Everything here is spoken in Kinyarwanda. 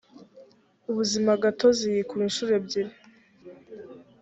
ubuzimagatozi yikuba inshuro ebyiri